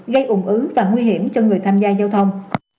gây ủng ứ và nguy hiểm cho người tham gia giao thông